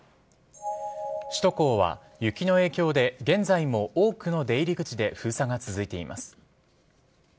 首都高は雪の影響で現在も多くの出入り口で封鎖が続いています。